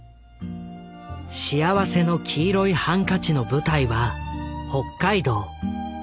「幸福の黄色いハンカチ」の舞台は北海道。